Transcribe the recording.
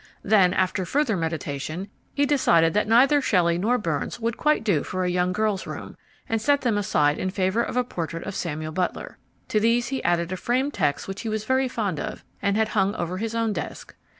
Then, after further meditation, he decided that neither Shelley nor Burns would quite do for a young girl's room, and set them aside in favour of a portrait of Samuel Butler. To these he added a framed text that he was very fond of and had hung over his own desk.